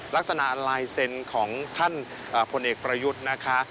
ลักษณะลายเซ็นต์ของท่านพลเอกประยุทธ์นะคะ